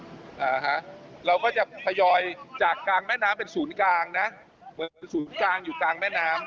อ่าฮะเราก็จะทยอยจากกลางแม่น้ำเป็นศูนย์กลางนะเหมือนศูนย์กลางอยู่กลางแม่น้ำ